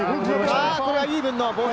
これはイーブンのボール。